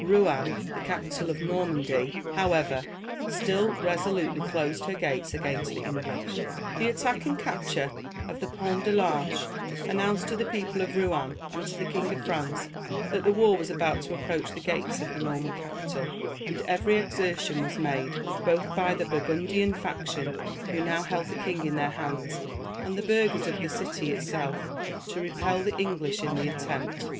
Rouen, the capital of Normandy, however, still resolutely closed her gates against the English. The attack and capture of the Pont de l'Arche announced to the people of Rouen, and to the King of France, that the war was about to approach the gates of the Norman capital, and every exertion was made, both by the Burgundian faction, who now held the king in their hands, and the burghers of the city itself, to repel the English in the attempt.